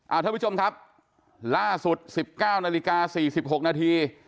ท่านผู้ชมครับล่าสุด๑๙นาฬิกา๔๖นาที